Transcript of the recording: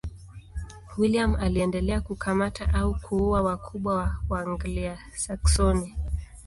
William aliendelea kukamata au kuua wakubwa wa Waanglia-Saksoni.